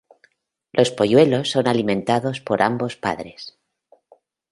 Los polluelos son alimentados por ambos padres.